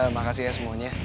makasih ya semuanya